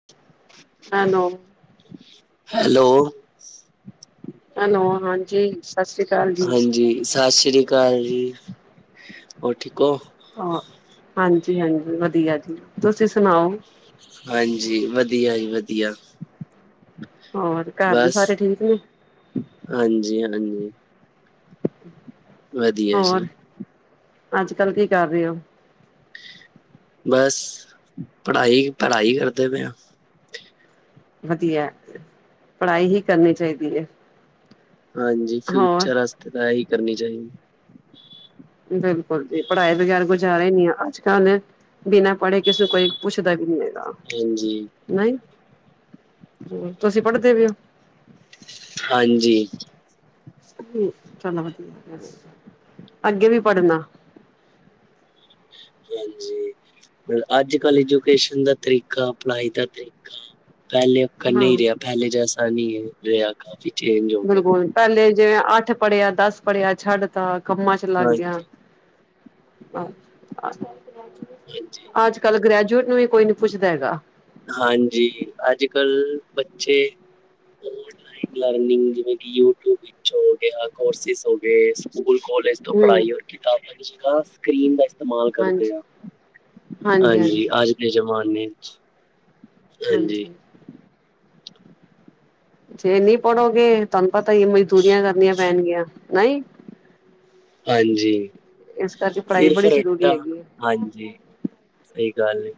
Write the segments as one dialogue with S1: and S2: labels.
S1: [inaudible]
S2: Hello.
S1: Hello.
S2: Hello ਹਾਂਜੀ ਸਤਿ ਸ਼੍ਰੀ ਅਕਾਲ ਜੀ।
S1: ਜੀ ਸਤਿ ਸ੍ਰੀ ਕਾਲ ਜੀ ਹੋਰ ਠੀਕ ਔ?
S2: ਹਾਂ ਹਾਂਜੀ -ਹਾਂਜੀ ਵਧੀਆ ਜੀ ਤੁਸ ਸੁਣਾਓ।
S1: ਹਾਂਜੀ ਵਧੀਆ ਜੀ ਵਧੀਆ।
S2: ਹੋਰ ਘਰ ਦੇ
S1: ਬਸ
S2: ਸਾਰੇ ਠੀਕ ਨੇ?
S1: ਹਾਂਜੀ ਹਾਂਜੀ। ਵਧੀਆ
S2: ਹੋਰ
S1: ਜੀ
S2: ਅੱਜ- ਕੱਲ ਕੀ ਕਰ ਰਹੇ ਓ?
S1: ਬਸ, ਪੜ੍ਹਾਈ -ਪੜ੍ਹਾਈ ਕਰਦੇ ਪਏ ਆਂ
S2: ਵਧੀਆ ਪੜ੍ਹਾਈ ਹੀ ਕਰਨੀ ਚਾਹੀਦੀ ਏ।
S1: ਹਾਂਜੀ ਫਿਊਚਰ ਵਾਸਤੇ ਤਾਂ ਐਈ ਕਰਨੀ ਚਾਹੀਦੀ।
S2: ਬਿਲਕੁਲ ਜੀ ਪੜ੍ਹਾਈ ਬਗੈਰ ਗੁਜ਼ਾਰਾ ਈ ਨੀ ਅੱਜ- ਕੱਲ ਬਿਨਾਂ ਪੜ੍ਹੇ ਕਿਸੇ ਕੋਈ ਪੁੱਛਦਾ ਵੀ ਨੀ ਹੈ।
S1: ਹਾਂਜੀ
S2: ਨਈ ਤੁਸੀ ਪੜ੍ਹਦੇ ਪੇ ਔ?
S1: ਹਾਂਜੀ।
S2: ਚਲੋ ਵਧੀਆ ਅੱਗੇ ਵੀ ਪੜਨਾ
S1: ਹਾਂਜੀ। ਅੱਜ -ਕਲ੍ਹ ਐਜੂਕੇਸ਼ਨ ਦਾ ਤਰੀਕਾ ਪੜ੍ਹਾਈ ਦਾ ਤਰੀਕਾ। ਪਹਿਲੇ ਅਕਨ
S2: ਹਾਂ
S1: ਨੀ ਰਿਆ ਪਹਿਲੇ ਜੈਸਾ ਨੀ ਰਿਆ ਕਾਫੀ। ਚੇਂਜ ਹੋ ਗਿਆ
S2: ਬਿਲਕੁਲ ਪਹਿਲੇ ਜਿਵੇਂ ਅੱਠ ਪੜ੍ਹਿਆ ਦਸ ਪੜ੍ਹਿਆ ਛੱਡ ਤਾ ਕੰਮਾਂ ਚ ਲਾਗਿਆ
S1: ਹਾਂਜੀ
S2: [unintelligible]
S1: ਹਾਂਜੀ।
S2: ਅੱਜ ਕੱਲ੍ਹ ਗ੍ਰੈਜੂਏਟ ਨੂੰ ਵੀ ਕੋਈ ਨੀ ਪੁੱਛਦਾ ਹੈਗਾ।
S1: ਹਾਂਜੀ ਅੱਜ ਕੱਲ੍ਹ ਬੱਚੇ ਓਨਲਾਈਨ ਲਰਨਿੰਗ ਜਿਵੇਂ ਕਿ ਯੂਟਿਊਬ ਵਿੱਚ ਹੋ ਗਿਆ ਕੋਰਸਿਸ ਹੋਗੇ। ਸਕੂਲ ਕਾਲਜ ਤੋਂ
S2: ਹਮ
S1: ਪੜ੍ਹਾਈ ਔਰ ਕਿਤਾਬਾਂ ਦੀ ਜਗ੍ਹਾ ਸਕਰੀਨ ਦਾ ਇਸਤੇਮਾਲ
S2: ਹਾਂਜੀ
S1: ਕਰਦੇ ਆ ਹਾਂਜੀ ਅੱਜ ਦੇ ਜ਼ਮਾਨੇ ਚ,
S2: ਹਾਂਜੀ। ਜੇ ਨੀ ਪੜੋਗੇ ਤੁਹਾਨੂੰ ਪਤਾ ਈ ਮਜ਼ਦੂਰੀਆਂ ਕਰਨੀਆਂ ਪੈਣਗੀਆਂ ਨਈ।
S1: ਹਾਂਜੀ,
S2: ਇਸ ਕਰਕੇ ਪੜ੍ਹਾਈ
S1: ਸਿਰਫ
S2: ਬੜੀ ਜ਼ਰੂਰੀ
S1: ਰੱਟਾ
S2: ਹੈਗੀ ਹੈ
S1: ਹਾਂਜੀ। ਸਈ ਗੱਲ ਏ।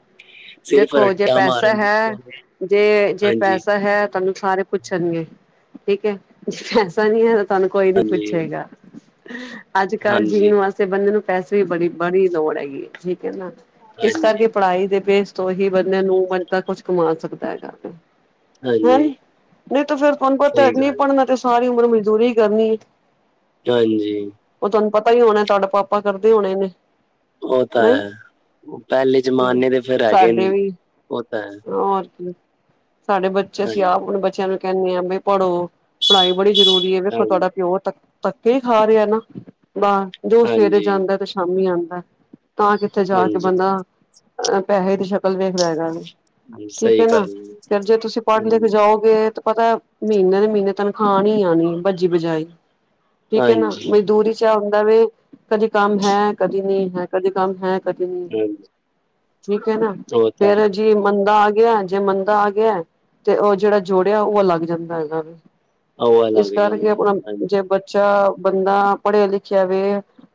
S1: ਸਿਰਫ
S2: ਦੇਖੋ ਜੇ
S1: ਰੱਟਾ
S2: ਪੈਸਾ
S1: ਮਾਰਨ ਦੀ
S2: ਹੈ
S1: ਬਜਾਏ
S2: ਜੇ ਜੇ
S1: ਹਾਂਜੀ,
S2: ਪੈਸਾ ਹੈ। ਤੁਹਾਨੂੰ ਸਾਰੇ ਪੁੱਛਣਗੇ ਠੀਕ ਐ ਜੇ ਪੈਸਾ ਨੀ ਐ। ਤੁਹਾਨੂੰ ਕੋਈ ਨੀ
S1: ਹਾਂਜੀ,
S2: ਪੁੱਛੇਗਾ ਅੱਜ ਕੱਲ
S1: ਹਾਂਜੀ,
S2: ਜੀਣ ਵਾਸਤੇ। ਬੰਦੇ ਨੂੰ ਪੈਸੇ ਵੀ ਬੜੀ ਬੜੀ ਲੋੜ ਹੈਗੀ ਠੀਕ ਐ ਨਾ ਇਸ ਕਰਕੇ
S1: ਹਾਂਜੀ,
S2: ਪੜ੍ਹਾਈ ਦੇ ਬੇਸ, ਤੋਂ ਹੀ ਬੰਦੇ ਨੂੰ [unintelligible] ਤਾਂ ਕੁਛ ਕਮਾ ਸਕਦਾ ਹੈਗਾ। ਹੈ
S1: ਹਾਂਜੀ
S2: ਨਹੀਂ, ਤਾਂ ਫੇਰ ਤੁਹਾਨੂੰ ਪਤਾ
S1: ਸਹੀ
S2: ਨਹੀਂ
S1: ਗੱਲ
S2: ਪੜ੍ਹਨਾ ਤੇ ਸਾਰੀ ਉਮਰ ਮਜ਼ਦੂਰੀ ਕਰਨੀ ਐ।
S1: ਹਾਂਜੀ।
S2: ਓ ਤੁਹਾਨੂੰ ਪਤਾ ਈ ਹੋਣਾ ਤੁਹਾਡਾ ਪਾਪਾ ਕਰਦੇ ਹੋਣੇ ਨੇ।
S1: ਓ ਤਾਂ
S2: ਨਹੀਂ
S1: ਹੈ ਪਹਿਲੇ ਜਮਾਨੇ ਦੇ ਫਿਰ ਹੈਗੇ
S2: ਸਾਡੇ
S1: ਨੇ
S2: ਵੀ
S1: ਉਹ ਤਾਂ ਹੈ
S2: ਹੋਰ ਕੀ। ਸਾਡੇ ਬੱਚੇ ਅਸੀਂ
S1: ਹਾਂਜੀ,
S2: ਆਪ ਹੁਣ ਬੱਚਿਆਂ ਨੂੰ ਕਹਿਣੇ ਆ ਵੀ ਪੜ੍ਹੋ ਪੜ੍ਹਾਈ ਬੜੀ ਜ਼ਰੂਰੀ। ਕੀ ਵੇਖੋ
S1: ਹਾਂਜੀ,
S2: ਤੁਹਾਡਾ ਪਿਓ ਧੱ-ਧੱਕੇ ਖਾ ਰਿਆ ਨਾ ਬਾਹਰ ਜੋ ਸਵੇਰੇ
S1: ਹਾਂਜੀ,
S2: ਜਾਂਦਾ ਤੇ ਸ਼ਾਮੀ ਆਂਦਾ ਤਾਂ ਕਿੱਥੇ ਜਾ ਕੇ
S1: ਹਾਂਜੀ।
S2: ਬੰਦਾ। ਪੈਸੇ ਦੀ ਸ਼ਕਲ ਵੇਖਦਾ ਹੈਗਾ ਨਾ
S1: ਜੀ,
S2: ਠੀਕ
S1: ਸਹੀ
S2: ਐ ਨਾ
S1: ਗੱਲ ਏ
S2: ਫਿਰ ਜੇ ਤੁਸੀਂ ਪੜ
S1: ਹਮ
S2: ਲਿਖ ਜਾਓ ਗੇ ਤੇ ਪਤਾ ਮਹੀਨੇ ਦੇ ਮਹੀਨੇ ਤਨਖਾਣ ਨੀ ਆਣੀ ਬੱਜੀ ਬਜਾਈ। ਠੀਕ ਐ ਨਾ
S1: ਹਾਂਜੀ
S2: ਮਜ਼ਦੂਰੀ ਚ ਆ ਹੁੰਦਾ ਵੈ ਕਦੀ ਕੰਮ ਹੈ ਕਦੀ ਨੀ ਹੈ ਕਦੀ ਕੰਮ ਹੈ। ਕਦੀ ਨੀ,
S1: ਹਾਂਜੀ
S2: ਠੀਕ ਐ ਨਾ
S1: ਉਹ ਤਾਂ ਹੈ
S2: ਫੇਰ। ਜੀ ਮੰਦਾ ਆ ਗਿਆ ਜੇ ਮੰਦਾ ਆ ਗਿਆ ਤੇ ਓ ਜਿਹੜਾ ਜੋੜਿਆ ਓ ਅਲੱਗ ਜਾਂਦਾ ਹੈਗਾ ਵੈ।
S1: ਹਵਾ
S2: ਇਸ
S1: ਲੱਗ ਜਾਂਦੀ
S2: ਕਰਕੇ
S1: ਏ।
S2: ਆਪਣਾ
S1: ਹਾਂਜੀ
S2: ਜੇ ਬੱ, ਚਾ ਬੰਦਾ ਪੜ੍ਹਿਆ ਲਿਖਿਆ ਵੇ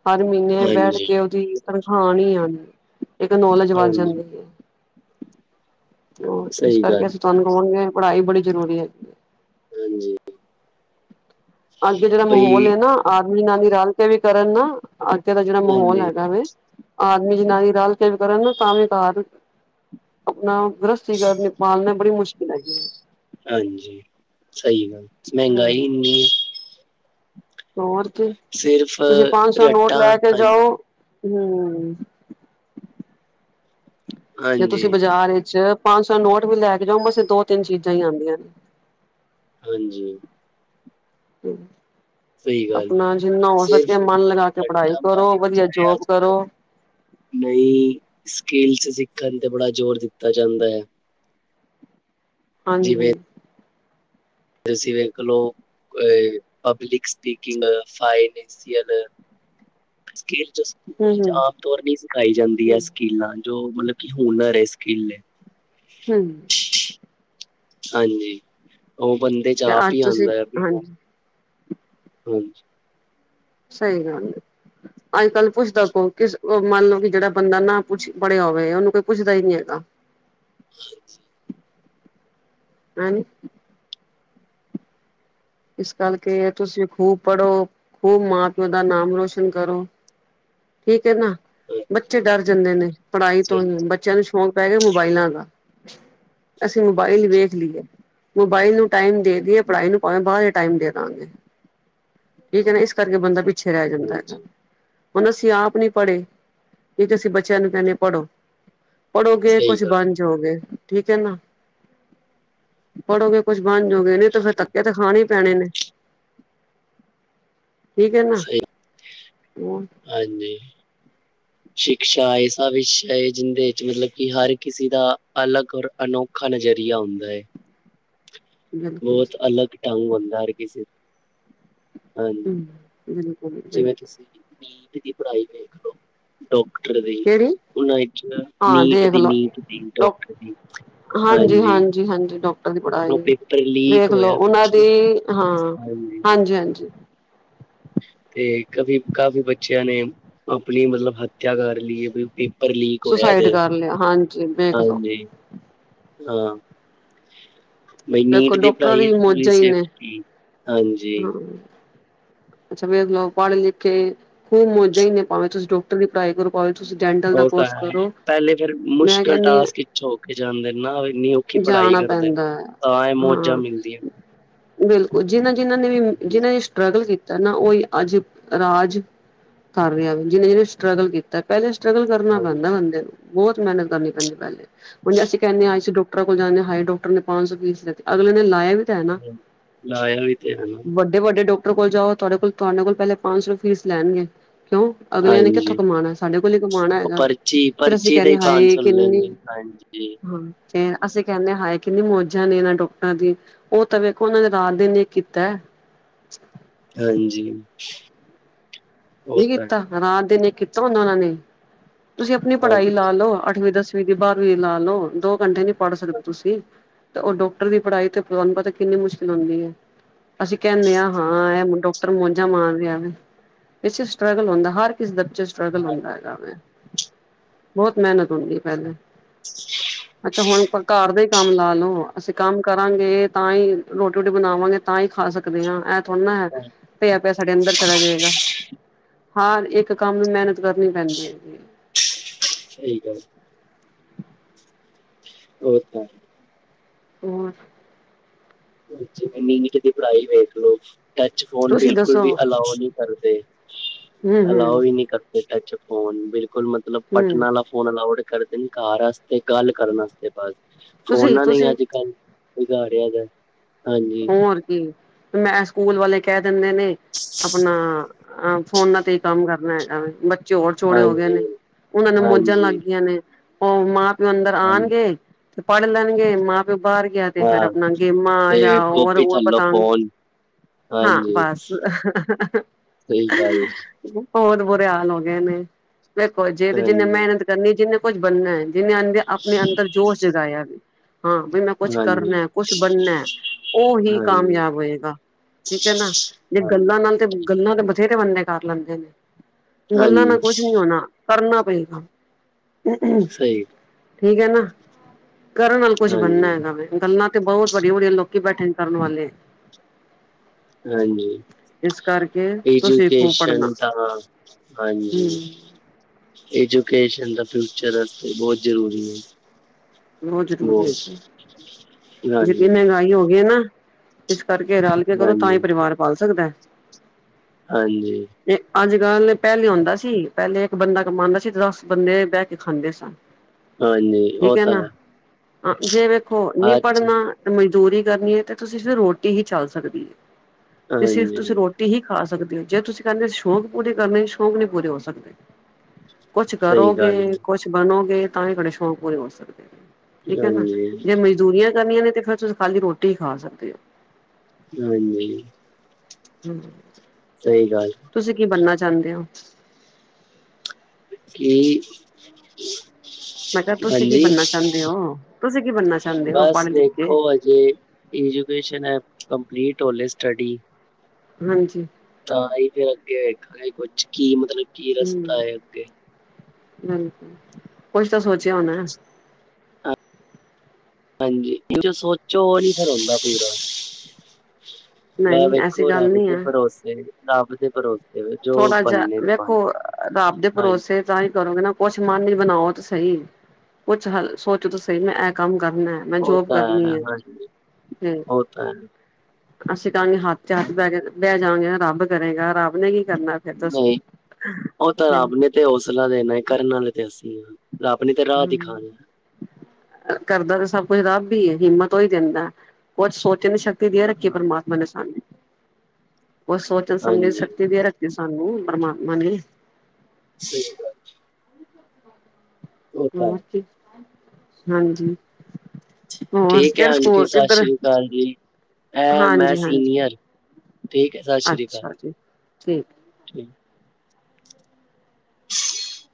S2: ਹਰ ਮਹੀਨੇ ਬੈਠ
S1: ਹਾਂਜੀ
S2: ਕੇ ਓਹਦੀ, ਤਨਖਾਹ ਆਨੀ ਈ ਆਨੀ ਐ ਇੱਕ ਨੌਲਜ ਵੱਧ
S1: ਹਾਂਜੀ
S2: ਜਾਂਦੀ ਐ। ਇਸ
S1: ਸਹੀ
S2: ਕਰਕੇ
S1: ਗੱਲ
S2: ਅਸੀਂ ਤੁਹਾਨੂੰ ਕਵਾਂਗੇ ਪੜ੍ਹਾਈ ਬੜੀ ਜ਼ਰੂਰੀ ਹੈਗੀ ਐ।
S1: ਹਾਂਜੀ
S2: ਅੱਗੇ ਜਿਹੜਾ ਮਾਹੌਲ
S1: ਬਈ
S2: ਐ ਨਾ ਆਦਮੀ ਜਨਾਨੀ ਰਲ ਕੇ ਵੀ ਕਰਨ ਨਾ। ਅੱਗੇ ਦਾ ਜਿਹੜਾ ਮਾਹੌਲ
S1: ਹਾਂਜੀ
S2: ਹੈਗਾ ਵੈ। ਆਦਮੀ ਜਨਾਨੀ ਰਲ ਕੇ ਵੀ ਕਰਨ ਤਾਂ ਵੀ ਘਰ ਆਪਣਾ ਗ੍ਰਸਤੀ ਕਰਨੇ ਪਾਲਣੇ ਬੜੀ ਮੁਸ਼ਕਿਲ ਹੈਗੀ ਐ।
S1: ਹਾਂਜੀ, ਸਹੀ ਗੱਲ
S2: ਹੈ
S1: ਮਹਿੰਗਾਈ ਇੰਨੀ
S2: ਹੋਰ ਕੀ
S1: ਸਿਰਫ
S2: ਤੁਸੀਂ ਪੰਨ ਸੌ ਨੋਟ
S1: ਰੱਟਾਂ
S2: ਲੈ ਕੇ
S1: ਹਾਂਜੀ
S2: ਜਾਓ ਹੂੰ। ਜੇ
S1: ਹਾਂਜੀ
S2: ਤੁਸੀਂ ਬਾਜ਼ਾਰ ਵਿੱਚ ਪੰਨ ਸੌ ਨੋਟ ਵੀ ਲੈ ਕੇ ਜਾਓ ਬਸ ਦੋ ਤਿੰਨ ਚੀਜ਼ਾਂ ਹੀ ਆਂਦੀਆਂ ਨੇ।
S1: ਹਾਂਜੀ।
S2: [inaudible]
S1: ਸਹੀ ਗੱਲ
S2: ਆਪਣਾ ਜਿੰਨਾ ਹੋ
S1: ਸਿਰ
S2: ਸਕੇ ਮਨ ਲਗਾ ਕੇ ਪੜ੍ਹਾਈ
S1: ਫੱਟਾ ਮਾਰ
S2: ਕਰੋ
S1: ਕੇ
S2: ਵਧੀਆ
S1: [unintelligible]
S2: ਜੋਬ
S1: ਅੱਜ
S2: ਕਰੋ
S1: ਕੱਲ। ਨਈ ਸਕਿੱਲਸ ਸਿੱਖਣ ਤੇ ਬੜਾ ਜ਼ੋਰ ਦਿੱਤਾ ਜਾਂਦਾ ਹੈ ਜਿਵੇਂ
S2: ਹਾਂਜੀ
S1: ਤੁਸੀਂ ਵੇਖ ਲੋ ਪਬਲਿਕ ਸਪੀਕਿੰਗ ਫਾਈਨਿਕਸੀਅਨ ਸਕੀਲ ਚ ਸਕੂਲ
S2: ਹਮ
S1: ਵਿੱਚ ਆਮ ਤੌਰ ਨ ਸਿਖਾਈ ਜਾਂਦੀ ਹੈ
S2: ਹਮ
S1: ਸਕਿੱਲਾਂ ਜੋ ਮਤਲਬ ਕਿ ਹੁਨਰ ਹੈ ਸਕਿੱਲਏ
S2: ਹਮ
S1: ਹਾਂਜੀ ਉਹ ਬੰਦੇ ਚ
S2: ਤੇ ਅੱਜ
S1: ਆਪੀ
S2: ਤੁਸੀਂ
S1: ਆਉਂਦਾ ਆ ਵੀ
S2: ਹਾਂਜੀ
S1: ਹਾਂਜੀ।
S2: ਸਹੀ ਗੱਲ ਇਹ ਅੱਜ ਕੱਲ੍ਹ ਪੁੱਛਦਾ ਕੋ ਕਿਸ ਮੰਨਲਓ ਕਿ ਜਿਹੜਾ ਬੰਦਾ ਨਾ ਕੁਛ ਪੜਿਆ ਹੋਵੇ ਉਹਨੂੰ ਕੋਈ ਪੁੱਛਦਾ ਹੀ ਨਹੀਂ ਹੈਗਾ।
S1: ਹਾਂਜੀ।
S2: ਹ ਇਸ ਕਰਕੇ ਤੁਸੀਂ ਖੂਬ ਪੜ੍ਹੋ ਖੂਬ ਮਾਂ ਪਿਓ ਦਾ ਨਾਮ ਰੋਸ਼ਨ ਕਰੋ। ਠੀਕ ਏ ਨਾ ਬੱਚੇ ਡਰ ਜਾਂਦੇ ਨੇ, ਪੜ੍ਹਾਈ
S1: ਸਹੀ
S2: ਤੋਂ ਹੀ
S1: ਗੱਲ।
S2: ਬੱਚਿਆਂ ਨੂੰ ਸ਼ੌਂਕ ਪੈ ਗਿਆ ਮੋਬਾਇਲਾਂ ਦਾ ਅਸੀਂ ਮੋਬਾਇਲ
S1: ਹਾਂਜੀ,
S2: ਵੇਖ ਲਈਏ। ਮੋਬਾਇਲ ਨੂੰ ਟਾਈਮ ਦੇ ਦੀਏ ਪੜ੍ਹਾਈ ਨੂੰ ਭਾਵੇਂ ਬਾਅਦ ਚ ਟਾਈਮ ਦੇ ਦਵਾਂਗੇ ਠੀਕ ਹੈ ਨਾ ਇਸ ਕਰਕੇ ਬੰਦਾ ਪਿੱਛੇ ਰਹਿ ਜਾਂਦਾ ਹੈਗਾ।
S1: ਹਾਂਜੀ
S2: ਹੁਣ ਅਸੀਂ ਆਪ ਨੀ ਪੜ੍ਹੇ ਕੀ ਅਸੀਂ ਬੱਚਿਆਂ ਨੂੰ ਕਹਿੰਦੇ ਪੜੋ। ਪੜ੍ਹੋਗੇ
S1: ਸਹੀ
S2: ਕੁਛ
S1: ਗੱਲ
S2: ਬਣ ਜਾਓਗੇ ਠੀਕ ਹੈ ਨਾ ਪੜੋਗੇ। ਕੁਛ ਬਣ ਜਾਓ ਗਏ ਨੀ ਤੇ ਫੇਰ ਧੱਕੇ ਤੇ ਖਾਣੇ ਹੀ ਪੈਣੇ ਨੇ ਠੀਕ ਹੈ ਨਾ
S1: ਸਹੀ
S2: ਹੋ
S1: ਹਾਂਜੀ। ਸ਼ਿਕਸ਼ਾ ਇਹਸਾ ਵਿਸ਼ਾ ਹੈ। ਜਿੰਦੇ ਵਿੱਚ ਮਤਲਬ ਕਿ ਹਰ ਕਿਸੇ ਦਾ ਅਲੱਗ ਔਰ ਅਨੋਖਾ ਅਨੋਖਾ ਨਜ਼ਰੀਆ ਹੁੰਦਾ ਏ।
S2: ਬਿਲਕੁਲ
S1: ਬੋਤ ਅਲੱਗ ਢੰਗ ਹੁੰਦਾ ਹਰ ਕਿਸੇ ਹਾਂਜੀ।
S2: ਹੂੰ ਹੂੰ
S1: ਜਿਵੇਂ ਤੁਸੀਂ ਨੀਟ ਦੀ ਪੜ੍ਹਾਈ ਵੇਖ ਲਓ। ਡਾਕਟਰ ਦੀ
S2: ਕਿਹੜੀ
S1: ਉਹਨਾਂ ਚ ਨਾ
S2: ਹਾਂ
S1: ਨੀਟ ਦੀ
S2: ਦੇਖਲੋ
S1: ਨੀਟ ਦੀ
S2: ਡੋ
S1: ਡਾਕਟਰ ਦੀ।
S2: ਹਾਂਜੀ ਹਾਂਜੀ ਹਾਂਜੀ ਡਾਕਟਰ ਦੀ
S1: ਉਹ
S2: ਪੜਾਈ
S1: ਪੇਪਰ ਲੀਕ
S2: ਵੇਖਲੋ
S1: ਹੋਇਆ
S2: ਉਹਨਾਂ
S1: ਪਿੱਛੇ
S2: ਦੀ ਹਾਂ ਹਾਂਜੀ ਹਾਂਜੀ।
S1: ਤੇ ਕਫੀ ਕਾਫ਼ੀ ਬੱਚਿਆਂ ਨੇ ਆਪਣੀ ਮਤਲਬ ਹੱਤਿਆ ਕਰ ਲਈ ਹੈ ਵੀ ਪੇਪਰ ਲੀਕ ਹੋਇਆ
S2: ਸੁਸਾਈਡ
S1: ਤੇ
S2: ਕਰ ਲਿਆ ਹਾਂਜੀ ਵੇਖ ਲਓ
S1: ਹਾਂਜੀ। ਹਾਂ ਬਈ
S2: ਵੇਖੋ
S1: ਨੀਟ ਦੀ
S2: ਡਾਕਟਰਾਂ
S1: ਪੜ੍ਹਾਈ ਪੂਰੀ
S2: ਮੌਜਾਂ ਹੀ ਨੇ
S1: ਸੇਫਟੀ
S2: ਹਾਂ
S1: ਹਾਂਜੀ।
S2: ਅੱਛਾ ਵੇਖ ਲਓ ਪੜ੍ਹ ਲਿਖਕੇ ਖੂਬ ਮੌਜਾ ਹੀ ਭਾਵੇਂ ਤੁਸੀਂ ਦੱਸੋ। ਪੜ੍ਹਾਈ ਕਰੋ ਕਾਲਜ ਤੁਸੀ ਡੈਂਟਲ ਦਾ
S1: ਉਹ ਤਾਂ
S2: ਕੋਰਸ
S1: ਹੈ
S2: ਕਰੋ ਮੈਂ ਕਹਿੰਦੀ ਹਾਂ।
S1: ਝੁਕ ਜਾਂਦੇ ਨਾ ਇੰਨੀ ਔਖੀ ਪੜ੍ਹਾਈ
S2: ਜਾਣਾ
S1: ਕਰਦੇ।
S2: ਪੈਂਦਾ ਹੈ
S1: ਤਾਂ ਇਹ ਮੌਜਾਂ
S2: ਹਾਂ
S1: ਮਿਲਦੀਆਂ
S2: ਬਿਲਕੁਲ ਜਿਨਾਂ ਜਿਨਾਂ ਨੇ ਵੀ ਜਿਹਨਾਂ ਸਟਰਗਲ ਕੀਤਾ ਨਾ ਉਹ ਹੀ ਅੱਜ ਰਾਜ ਕਰ ਰਿਹਾ ਹੈ ਜਿਹਨੇ ਜਿਹਨੇ ਸਟਰਗਲ ਕੀਤਾ। ਪੈਲੇ ਸਟਰਗਲ ਕਰਨਾ
S1: ਹਾਂਜੀ
S2: ਪੈਂਦਾ ਬੰਦੇ ਨੂੰ ਬੋਤ ਮੇਹਨਤ ਕਰਨੀ ਪੈਂਦੀ ਪੈਲੇ ਹੁਣ ਜੇ ਅਸੀਂ ਕਹਿੰਦੇ ਹਾਂ ਅਸੀਂ ਡਾਕਟਰ ਡਾ ਕੋਲ ਜਾਂਦੇ ਹਾਈ ਡਾਕਟਰ ਨੇ ਪੰਜ ਸੌ ਫੀਸ ਲੈਤੀ ਅਗਲੇ ਨੇ ਲਾਇਆ ਵੀ ਹੈ ਨਾ
S1: ਲਾਇਆ ਵੀ ਤੇ ਹੈ ਨਾ
S2: ਵੱਡੇ ਡੇ ਵੱਡੇ ਡਾਕਟਰ ਕੋਲ ਜਾਓ। ਤੁਹਾਡੇ ਕੋਲ ਤੁਹਾਡੇ ਕੋਲ ਪੈਲੇ ਪੰਜ ਸੌ ਫੀਸ ਲੈਣਗੇ ਕਿਉਂ ਅਗਲਿਆਂ ਨੇ
S1: ਹਾਂਜੀ
S2: ਕਿੱਥੋਂ ਕਮਾਣਾ ਸਾਡੇ ਕੋਲ ਹੀ ਕਮਾਉਣਾ
S1: ਉਹ
S2: ਹੈਗਾ
S1: ਪਰਚੀ
S2: ਫੇਰ ਅਸੀਂ
S1: ਪਰਚੀ ਦੇ
S2: ਕਹਿੰਦੇ
S1: ਹੀ
S2: ਹਾਏ ਕਿਨੇ
S1: ਲੈਂਗੇ ਹਾਂਜੀ
S2: ਹਾਂ ਤੇ, ਅਸੀਂ ਕਹਿੰਦੇ ਹ, ਹਾਏ ਕਿੰਨੀ ਮੌਜਾਂ ਇਹਨਾਂ ਨੂੰ। ਹਾਂਜੀ ਉਹ ਤਾਂ, ਵੇਖੋ ਉਹਨਾਂ ਨੇ, ਰਾਤ-ਦਿਨ ਇੱਕ ਕੀਤਾ।
S1: ਹਾਂਜੀ। ਉਹ
S2: ਨਹੀਂ
S1: ਤਾਂ
S2: ਕੀਤਾ
S1: ਹੈ
S2: ਰਾਤ-ਦਿਨ ਇੱਕ ਕੀਤਾ ਹੁੰਦਾ ਉਹਨਾਂ ਨੇ ਤੁਸੀਂ ਆਪਣੀ ਪੜ੍ਹਾਈ
S1: ਹਾਂਜੀ
S2: ਲਾ, ਲਓ ਅੱਠਵੀਂ ਦਸਵੀਂ। ਤੁ ਬਾਹਰ ਵੀ ਲਾ ਲਓ ਦੋ, ਘੰਟੇ ਨੀ, ਪੜ੍ਹ ਸਕਦੇ ਤੁਸੀਂ। ਤੇ, ਉਹ ਡਾਕਟਰ ਦੀ ਪੜ੍ਹਾਈ ਤੇ, ਤੁਹਾਨੂੰ ਪਤਾ ਕਿੰਨੀ ਮੁਸ਼ਕਿਲ ਹੁੰਦੀ ਹੈ। ਅਸੀਂ ਕਹਿੰਦੇ ਹਾਂ ਹਾਂ ਇਹ ਮੋਜਾ ਮਾਰ ਰਿਹਾ ਵੈ। ਪ ਸਟਰਗਲ ਹੁੰਦਾ ਹਰ ਕਿਸ ਬੱਚੇ ਸਟਟਰਗਲ ਹੁੰਦਾ ਹੈਗਾ ਵਾ, ਬਹੁਤ ਮਿਹਨਤ ਹੁੰਦੀ
S1: ਹਾਂਜੀ,
S2: ਪਹਿਲੇ ਅੱਛਾ ਹੁਣ ਘਰ ਦੇ ਕੰਮ ਲਾ ਲੋ, ਅਸੀਂ ਕੰਮ ਕਰਾਂਗੇ ਤਾਂ, ਹੀ ਰੋਟੀ-ਰੋਟੀ ਬਣਾਵਾਂਗੇ ਤਾਂ, ਹੀ ਖਾ ਸਕਦੇ ਹਾਂ ਐ ਹੁਣ ਪਿਆ-ਪਿਆ ਸਾਡੇ ਅੰਦਰ ਚਲਾ ਜਾਏਗਾ। ਹਾਂ, ਇੱਕ ਕੰਮ ਨੂੰ ਮਿਹਨਤ ਕਰਨੀ ਪੈਂਦੀ ਹੈ ਜੀ।
S1: ਸਹੀ ਗੱਲ। ਉਹ, ਤਾਂ।
S2: ਹੂ।
S1: ਜਿਵੇਂ ਨੀਟ ਦੀ, ਪੜ੍ਹਾਈ ਵੇਖਲੋ ਟੱਚ, ਫੋਨ
S2: ਤੁਸੀਂ
S1: ਬਿਲਕੁਲ
S2: ਦੱਸੋ
S1: ਵੀ ਅਲਾਓ ਨਹੀਂ ਕਰਦੇ
S2: ਹੂੰ ਹੂੰ
S1: ਅਲਾਓ ਵੀ, ਨਹੀਂ ਕਰਦੇ ਟੱਚ, ਫੋਨ ਬਿਲਕੁਲ ਮਤਲਬ
S2: ਹੂੰ
S1: ਪਟਨਾਂ ਲਾ ਫੋਨ ਅਲਾਊਡ ਕਰਦੇ ਨੇ, ਘਰ ਵਾਸਤੇ ਗੱਲ ਕਰਨ ਵਾਸਤੇ ਬਸ
S2: ਤੁਸੀਂ
S1: ਫੋਨਾਂ ਦੀ
S2: ਤੁਸੀਂ
S1: ਅੱਜ ਕੱਲ ਵਿਗਾੜਿਆ ਜ, ਹਾਂਜੀ।
S2: ਹੋਰ ਕੀ ਮੈਂ, ਸਕੂਲ ਵਾਲੇ ਕਹਿ ਦਿੰਦੇ ਨੇ ਆਪਣਾ ਅ, ਫੋਨਾਂ ਤੇ ਹੀ, ਕੰਮ ਕਰਨਾ ਹੈਗਾ ਵੈ। ਚੋਰ ਛੇੜੇ ਹੋ ਗਏ
S1: ਹਾਂਜੀ
S2: ਨੇ, ਉਹਨਾਂ ਨੂੰ ਮੋਜਾਂ ਲੱਗ
S1: ਹਾਂਜੀ
S2: ਗਈਆਂ ਨੇ, ਉਹ ਮਾਂ ਪਿਓ ਅੰਦਰ
S1: ਹਾਂਜੀ
S2: ਆਣਗੇ ਤੇ ਪੜ੍ਹ ਲੈਣਗੇ ਮਾਂ ਪਿਓ ਬਾਹਰ ਗਿਆ ਤੇ, ਫਿਰ
S1: ਹਾਂ
S2: ਆਪਣਾ ਗੇਮਾਂ ਜਾਂ
S1: ਤੇ ਕਾਪੀ
S2: ਉੜ
S1: ਥੱਲੋਂ
S2: ਪਤੰਗ
S1: ਫੋਨ
S2: ਹਾਂ।
S1: ਹਾਂਜੀ
S2: ਬਸ
S1: ਸਹੀ ਗੱਲ
S2: ਬਹੁਤ ਬੁਰੇ ਹਾਲ ਹੋ ਗਏ ਨੇ, ਵੇਖੋ ਜੇ,
S1: ਹੈ
S2: ਤੇ ਜੀਨੇ
S1: ਹਾਂਜੀ
S2: ਮਿਹਨਤ ਕਰਨੀ ਜੀਨੇ ਕੁੱਝ ਬਣਨਾ ਹੈ। ਜਿਹਨੇ ਆਪਣੇ ਅੰਦਰ ਜੋਸ਼ ਜਗਾਇਆ ਹਾਂ, ਵੀ, ਮੈਂ ਕੁਛ
S1: ਹਾਂਜੀ
S2: ਕਰਨਾ ਕੁਛ ਬਣਨਾ। ਉ, ਹੀ,
S1: ਹਾਂਜੀ
S2: ਕਾਮਯਾਬ ਹੋਏਗਾ। ਠੀਕ ਹੈ, ਨਾ ਜੇ
S1: ਹਾਂਜੀ
S2: ਗੱਲਾਂ ਨਾਲ ਤੇ, ਗੱਲਾਂ ਤੇ ਬਥੇਰੇ ਬੰਦੇ ਕਰ ਲੈਂਦੇ ਨੇ। ਗੱਲਾਂ ਨਾਲ
S1: ਹਾਂਜੀ
S2: ਕੁਛ ਨੀ ਹੋਣਾ, ਕਰਨਾ ਪਏਗਾ।
S1: ਸਹੀ
S2: ਠੀਕ ਏ ਨਾ, ਕਰਨ ਨਾਲ ਕੁੱਛ
S1: ਹਾਂਜੀ
S2: ਬਣਨਾ ਇਹਨਾਂ ਨੇ ਗੱਲਾਂ ਤੇ ਬਹੁਤ ਵੱਡੀਆਂ-ਵੱਡੀਆਂ ਲੋਕ, ਕੀ ਬੈਠੇ ਕਰਨ ਵਾਲੇ।
S1: ਹਾਂਜੀ,
S2: ਇਸ ਕਰਕੇ ਤੁਸੀਂ ਖੂਬ ਪੜ੍ਹਨਾ
S1: ਐਜੂਕੇਸ਼ਨ ਤਾਂ ਹਾਂਜੀ।
S2: ਹਮ
S1: ਐਜੂਕੇਸ਼ਨ ਦਾ ਫਿਊਚਰ ਰਾਸਤੇ ਬਹੁਤ ਜਰੂਰੀ ਹੈ।
S2: ਬਹੁਤ ਜ਼ਰੂਰੀ ਹੈ
S1: ਬਹੁਤ
S2: ਜੀ, ਜਿੰਨੀ
S1: ਹਾਂਜੀ
S2: ਮਹਿੰਗਾਈ ਹੋ ਗਈ ਨਾ, ਇਸ ਕਰਕੇ ਰਲ ਕੇ ਕਰੋ, ਤਾਂ
S1: ਹਾਂਜੀ
S2: ਹੀ ਪਰਿਵਾਰ ਪਲ ਸਕਦਾ।
S1: ਹਾਂਜੀ।
S2: ਅੱਜ-ਕੱਲ, ਪਹਿਲੇ ਆਉਂਦਾ ਸੀ, ਪਹਿਲੇ ਇੱਕ ਬੰਦਾ ਕਮਾਉਦਾ ਸੀ, ਦੱਸ ਬੰਦੇ ਬਹਿ ਕੇ ਖਾਂਦੇ ਸੀ। ਅੱਛਾ,
S1: ਹਾਂਜੀ, ਉਹ ਤਾਂ ਹੈ।
S2: ਆ ਜੇ ਵੇਖੋ, ਹੋਰ ਨੀ
S1: ਅੱਜ
S2: ਪੜ੍ਹਨਾ। ਜੇ ਮਜ਼ਦੂਰੀ ਕਰਨੀ ਹੈ, ਤੇ ਤੁਸੀਂ ਸਿਰਫ ਰੋਟੀ ਹੀ, ਚੱਲ ਸਕਦੀ ਹੈ। ਤੇ ਸਿਰਫ ਤੁਸੀਂ
S1: ਹਾਂਜੀ
S2: ਰੋਟੀ, ਰੋਟੀ ਹੀ ਖਾ ਸਕਦੇ ਹੋ, ਜੇ ਤੁਸੀਂ ਕਹਿੰਦੇ ਸ਼ੌਂਕ ਪੂਰੇ ਕਰਨੇ ਸ਼ੌਂਕ ਨਹੀਂ ਪੂਰੇ ਹੋ ਸਕਦੇ। ਕੁਛ
S1: ਸਹੀ ਗੱਲ
S2: ਕਰੋਗੇ,
S1: ਹੈ।
S2: ਕੁਛ ਬਣੋਗੇ ਤਾਂ ਹੀ ਤੁਹਾਡੇ ਸ਼ੌਕ ਪੂਰੇ ਹੋ ਸਕਦੇ ਨੇ। ਠੀਕ ਹੈ ਨਾ,
S1: ਹਾਂਜੀ
S2: ਜੇ ਮਜ਼ਦੂਰੀਆਂ ਕਰਨੀਆਂ ਨੇ ਤੇ ਫਿਰ ਤੁਸੀਂ ਖਾਲੀ ਰੋਟੀ ਹੀ ਖਾ ਸਕਦੇ ਹੋ।
S1: ਨਈ ਨਈ
S2: [unintelligible]
S1: ਸਹੀ ਗੱਲ
S2: ਤੁਸੀਂ ਕੀ ਬਣਨਾ ਚਾਹੁੰਦੇ ਹੋ?
S1: ਕਿ।
S2: ਮੈਂ ਕਿਹਾ ਤੁਸੀਂ ਕੀ, ਬਣਨਾ ਚਾਹੁੰਦੇ ਹੋ, ਤੁਸੀਂ ਕੀ ਬਣਨਾ ਚਾਹੁੰਦੇ ਹੋ, ਪੜ੍ਹ ਲਿਖ ਕੇ?
S1: ਜੇ, ਐਜੂਕੇਸ਼ਨ ਐਪ, ਕੰਪਲੀਟ ਹੋਲੇ ਸਟੱਡੀ।
S2: ਹਾਂਜੀ।
S1: ਤਾਂ ਹੀ, ਫੇਰ ਅੱਗੇ ਵੇਖਾਂਗੇ ਕੁਛ ਕੀ ਮਤਲਬ ਕੀ ਰਸਤਾ ਹੈ, ਅੱਗੇ।
S2: ਹਾਂਜੀ ਕੁਛ ਤਾਂ ਸੋਚਿਆ ਹੋਨਾ?
S1: ਹਾਂਜੀ ਜੋ ਸੋਚੋ ਉਹ ਨੀ ਫੇਰ ਹੁੰਦਾ ਫੇਰ। ਮੈਂ,
S2: ਨਹੀਂ ਐਸੀ
S1: ਵੇਖੋ
S2: ਗੱਲ
S1: ਰੱਬ
S2: ਨਹੀਂ
S1: ਦੇ
S2: ਹੈ
S1: ਭਰੋਸੇ ਰੱਬ ਦੇ ਭਰੋਸੇ ਵੇ ਜੋ
S2: ਥੋੜਾ ਜਿਹਾ,
S1: ਬੰਨੇ ਤੇ ਬਣ
S2: ਵੇਖੋ ਰੱਬ ਦੇ
S1: ਹਾਂਜੀ
S2: ਭਰੋਸੇ ਤਾ ਹੀ, ਕਰੋਗੇ ਨਾ ਕੁਛ ਮਨ ਇਚ ਬਣਾਓ ਤੇ ਸਹੀ ਕੁਛ ਹ, ਸੋਚੋ ਤਾਂ ਸਹੀ ਮੈਂ ਇਹ ਕੰਮ ਕਰਨਾ। ਮੈਂ
S1: ਉਹ
S2: ਜੋਬ
S1: ਤਾਂ
S2: ਕਰਨੀ
S1: ਹੈ
S2: ਏ
S1: ਹਾਂਜੀ
S2: ਹ
S1: ਉਹ ਤਾਂ ਹੈ
S2: ਅੱਸੀਂ ਕਹਾਂਗੇ ਹੱਥ ਤੇ ਹੱਥ ਬਹਿ ਬਹਿ ਜਾਂਗੇ ਰੱਬ ਕਰੇਗਾ ਰੱਬ ਨੇ ਹੀ ਕਰਨਾ ਫਿਰ ਦੱਸੋ
S1: ਨਹੀਂ ਉਹ ਤਾਂ ਰੱਬ ਨੇ ਤੇ ਹੌਸਲਾ ਦੇਣਾ ਕਰਨ ਵਾਲੇ ਤੇ ਅਸੀਂ ਆ ਰੱਬ ਨੇ ਤੇ ਰਾਹ
S2: ਹਮ
S1: ਦਿਖਾਨੀ
S2: ਕਰਦਾ ਤਾਂ ਸਭ ਕੁੱਛ ਰੱਬ ਈ ਐ ਹਿੰਮਤ ਓਈ ਦਿੰਦਾ ਕੁੱਛ ਸੋਚ ਨੀ ਸ਼ਕ ਤੀ ਦੇ ਰੱਖੀ
S1: ਹਾਂ,
S2: ਪਰਮਾਤਮਾ ਨੇ ਸਾਨੂੰ ਓ ਸੋਚਣ ਸਮਝਣ
S1: ਹਾਂਜੀ
S2: ਸ਼ਕਤੀ ਦੇ ਰੱਖੀ ਤੇ ਸਾਨੂੰ ਪਰਮਾਤਮਾ ਨੇ।
S1: ਸਹੀ ਗੱਲ ਉਹ
S2: ਜੋ
S1: ਤਾਂ ਹੈ।
S2: ਮਰਜ਼ੀ ਹਾਂਜੀ ਹੋਰ ਕੇੜਾ ਸਕੂਲ ਕਿੱਧਰ?
S1: ਹਾਂਜੀ ਐ ਮੈਂ
S2: ਹਾਂਜੀ ਹਾਂਜੀ
S1: ਸੀਨੀਅਰ ਠੀਕ ਐ।
S2: ਅੱਛਾ ਜੀ ਠੀਕ ਐ
S1: ਠੀਕ [inaudible]